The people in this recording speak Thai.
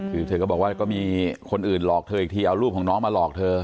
คือเธอก็บอกว่าก็มีคนอื่นหลอกเธออีกทีเอารูปของน้องมาหลอกเธอ